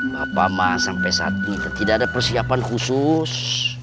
bapak mah sampai saat ini tidak ada persiapan khusus